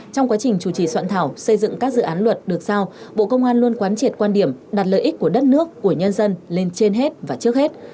trong quá trình chủ trì soạn thảo xây dựng các dự án luật được giao bộ công an luôn quán triệt quan điểm đặt lợi ích của đất nước của nhân dân lên trên hết và trước hết